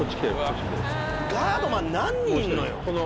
ガードマン何人いんのよ。